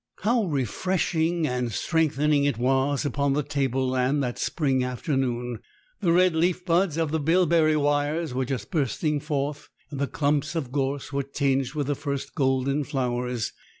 How refreshing and strengthening it was upon the tableland that spring afternoon! The red leaf buds of the bilberry wires were just bursting forth, and the clumps of gorse were tinged with the first golden flowers.